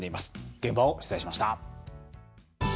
現場を取材しました。